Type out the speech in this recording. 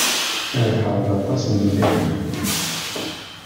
Terbeḥ-d aṭas n yidrimen.